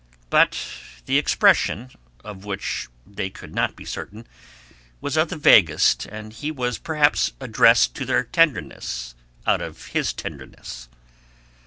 But the expression, of which they could not be certain, was of the vaguest, and it was perhaps addressed to their tenderness out of his tenderness.